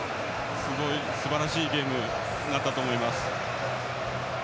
すばらしいゲームになったと思います。